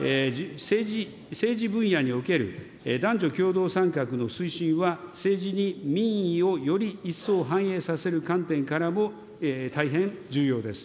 政治分野における、男女共同参画の推進は政治に民意をより一層反映させる観点からも、大変重要です。